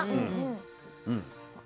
うん？